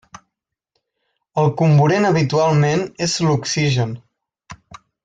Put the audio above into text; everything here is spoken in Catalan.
El comburent habitualment és l'oxigen.